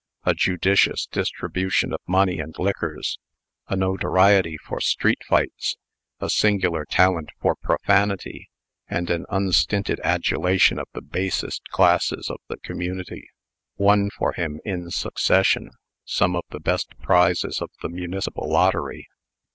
A judicious distribution of money and liquors, a notoriety for street fights, a singular talent for profanity, and an unstinted adulation of the basest classes of the community, won for him, in succession, some of the best prizes of the Municipal lottery.